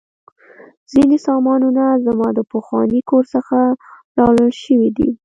ځینې سامانونه زما د پخواني کور څخه راوړل شوي دي